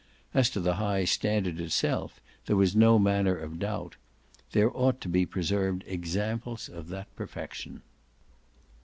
As to the high standard itself there was no manner of doubt: there ought to be preserved examples of that perfection.